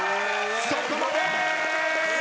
そこまでー！